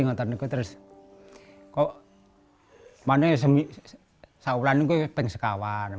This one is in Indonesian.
saat itu saya mengambil sekawan